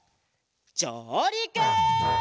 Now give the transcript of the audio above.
じょうりく！